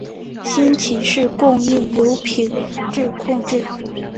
新奇士供应有品质控制。